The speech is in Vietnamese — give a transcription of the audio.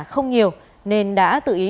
không nhiều nên đã tự ý